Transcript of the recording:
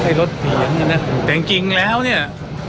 ให้ลดเสียงนะแต่จริงแล้วเนี่ย